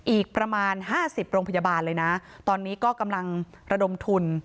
อีกประมาณ๕๐โรงพยาบาลเลยนะตอนนี้ก็กำลังระดมทุน